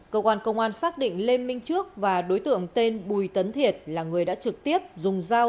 cơ quan công an xác định lê minh trước và đối tượng tên bùi tấn thiệt là người đã trực tiếp dùng dao